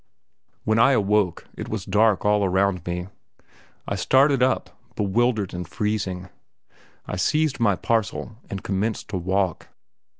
When I awoke it was dark all around me. I started up, bewildered and freezing. I seized my parcel and commenced to walk.